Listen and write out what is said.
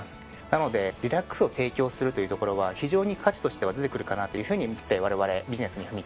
なのでリラックスを提供するというところは非常に価値としては出てくるかなというふうに思ってわれわれビジネスに踏み切っています。